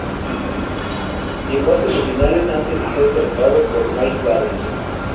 Llegó a las semifinales antes de ser derrotado por Mike Bailey.